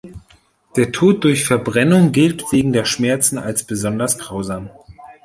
Der Tod durch Verbrennung gilt wegen der Schmerzen als besonders grausam.